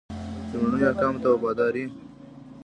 لومړنیو احکامو ته وفاداري.